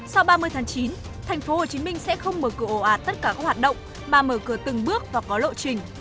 sau ba mươi tháng chín thành phố hồ chí minh sẽ không mở cửa ồ ạt tất cả các hoạt động mà mở cửa từng bước và có lộ trình